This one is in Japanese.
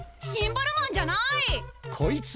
シンバルマンじゃない！？